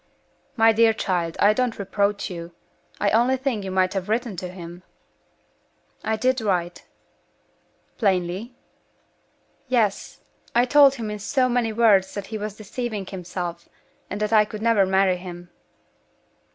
"My dear child, I don't reproach you. I only think you might have written to him." "I did write." "Plainly?" "Yes. I told him in so many words that he was deceiving himself, and that I could never marry him."